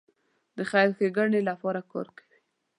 د خیر ښېګڼې لپاره کار کوي.